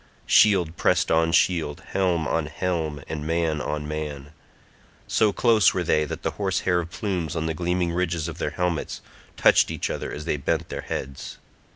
Shield pressed on shield, helm on helm, and man on man; so close were they that the horse hair plumes on the gleaming ridges of their helmets touched each other as they bent their heads.